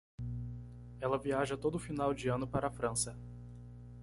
Ela viaja todo final de ano para a França.